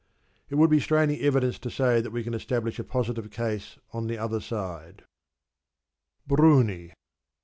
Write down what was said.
It would be straining evidence to say that we can establish a positive case on the other side. Bruni.